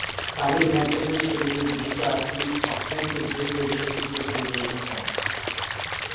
পানির মাধ্যমে শরীরে গৃহীত আর্সেনিক অত্যন্ত দ্রুত যকৃতে পরিবাহিত হয়।